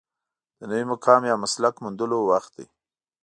د نوي مقام یا مسلک موندلو وخت دی.